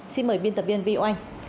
xin mời biên tập viên vy oanh